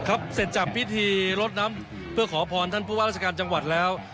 เสร็จจากพิธีรดน้ำเพื่อขอพรท่านผู้ว่าราชการจังหวัดแล้ว